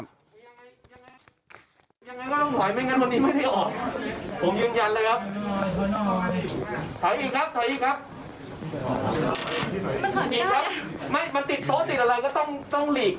มันแม้เดินผ่านไปแค่นี้เองพี่